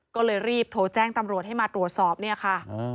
ก็เลยรีบโทรแจ้งตำรวจให้มาตรวจสอบเนี่ยค่ะ